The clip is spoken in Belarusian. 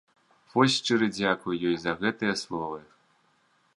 Вось шчыры дзякуй ёй за гэтыя словы!